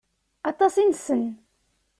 Aṭas i nessen.